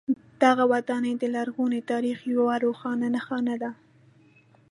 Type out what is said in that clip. دغه ودانۍ د لرغوني تاریخ یوه روښانه نښه ده.